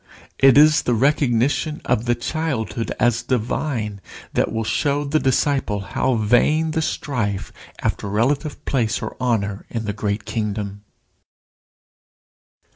It is the recognition of the childhood as divine that will show the disciple how vain the strife after relative place or honour in the great kingdom.